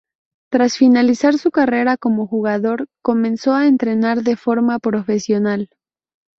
Tras finalizar su carrera como jugador comenzó a entrenar de forma profesional.